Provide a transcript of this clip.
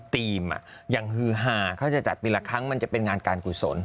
อย่างฮือฮาเขาจะจัดปีละครั้งมันจะเป็นงานการกุศล